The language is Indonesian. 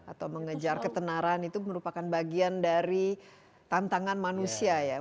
atau mengejar ketenaran itu merupakan bagian dari tantangan manusia ya